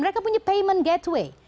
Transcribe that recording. mereka punya payment gateway